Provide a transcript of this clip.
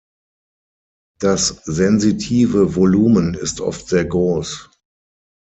Das sensitive Volumen ist oft sehr groß.